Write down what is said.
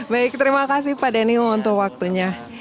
baik terima kasih pak denny untuk waktunya